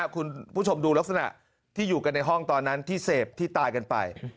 คุณผู้ชมดูลักษณะที่อยู่กันในห้องตอนนั้นที่เสพที่ตายกันไป